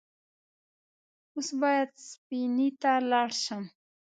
اوس بايد سفينې ته لاړ شم.